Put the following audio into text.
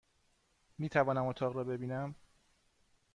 میتوانم اتاق را ببینم؟